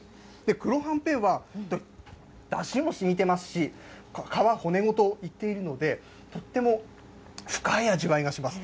黒はんぺんは、だしもしみてますし、皮、骨ごといっているので、とっても深い味わいがします。